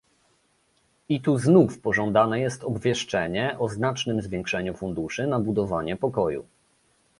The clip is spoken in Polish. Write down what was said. I tu znów pożądane jest obwieszczenie o znacznym zwiększeniu funduszy na budowanie pokoju